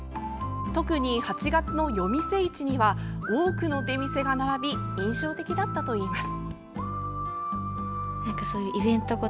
特に８月の夜店市には多くの出店が並び印象的だったといいます。